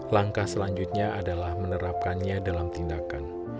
langkah selanjutnya adalah menerapkannya dalam tindakan